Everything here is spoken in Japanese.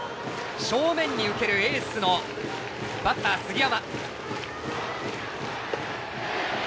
正面に受けるエースのバッター、杉山。